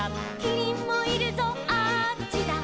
「キリンもいるぞあっちだ」